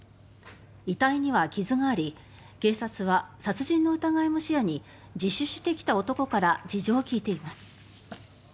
遺体には傷があり警察は殺人の疑いも視野に自首してきた男から事情を聴いています。